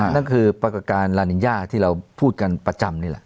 นั่นคือปรากฏการณ์ลานิญญาที่เราพูดกันประจำนี่แหละ